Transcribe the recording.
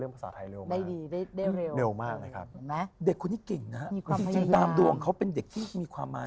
บังค์ดรวงเขาเป็นเด็กครึกดีคร่ามาก